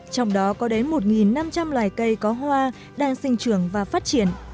trong đó có đến một năm trăm linh loài cây có hoa đang sinh trưởng và phát triển